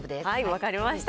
分かりました。